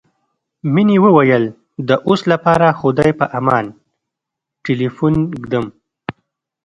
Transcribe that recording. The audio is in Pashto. مينې وويل د اوس لپاره خدای په امان ټليفون ږدم.